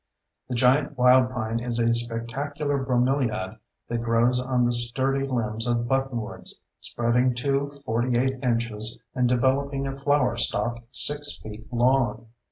The giant wildpine is a spectacular bromeliad that grows on the sturdy limbs of buttonwoods, spreading to 48 inches and developing a flower stalk 6 feet long.